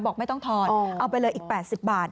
บอกไม่ต้องทอนเอาไปเลยอีก๘๐บาท